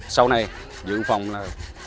sau này dự phòng là